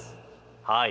はい。